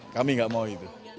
kami nggak mau itu